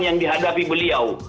yang dihadapi beliau